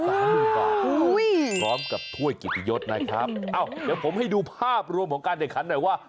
๓หมื่นบาทกรอบกับถ้วยกิจยศนะครับเอาเดี๋ยวผมให้ดูภาพรวมของการเด็กคันหน่อยว่า